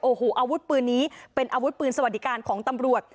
โอ้โหอาวุธปืนนี้เป็นอาวุธปืนสวัสดิการของตำรวจ